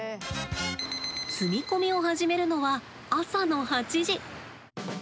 積み込みを始めるのは朝の８時。